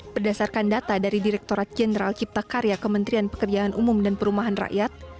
berdasarkan data dari direkturat jenderal cipta karya kementerian pekerjaan umum dan perumahan rakyat